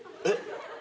えっ？